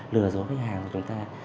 lừa dối khách hàng